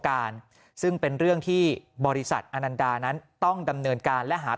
การซึ่งเป็นเรื่องที่บริษัทอนันดานั้นต้องดำเนินการและหา